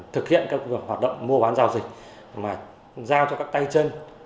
thực hiện các hoạt động mua bán giao dịch mà giao cho các tay chân